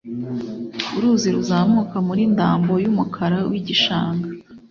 uruzi ruzamuka muri dambo yumukara wigishanga